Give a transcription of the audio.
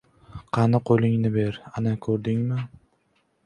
Qani, qo‘lingni ber. Ana, ko‘rdingmi?